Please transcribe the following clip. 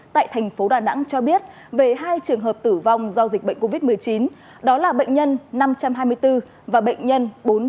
tại thành phố đà nẵng cho biết về hai trường hợp tử vong do dịch bệnh covid một mươi chín đó là bệnh nhân năm trăm hai mươi bốn và bệnh nhân bốn trăm bốn mươi tám